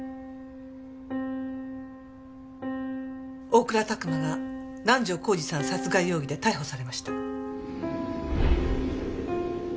大倉琢磨が南条晃司さん殺害容疑で逮捕されました。